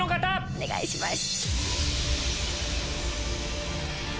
お願いします！